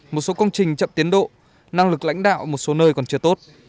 một số công trình chậm tiến độ năng lực lãnh đạo một số nơi còn chưa tốt